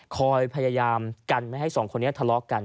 คอยพยายามกันไม่ให้สองคนนี้ทะเลาะกัน